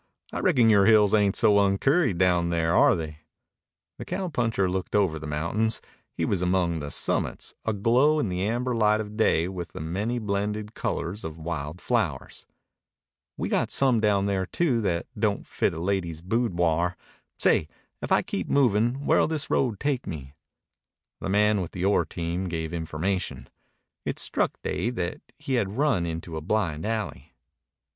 I reckon your hills ain't so uncurried down there, are they?" The cowpuncher looked over the mountains. He was among the summits, aglow in the amber light of day with the many blended colors of wild flowers. "We got some down there, too, that don't fit a lady's boodwar. Say, if I keep movin' where'll this road take me?" The man with the ore team gave information. It struck Dave that he had run into a blind alley.